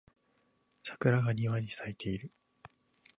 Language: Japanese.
桜が庭に咲いている